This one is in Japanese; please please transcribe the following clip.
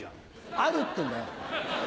あるってんだよ。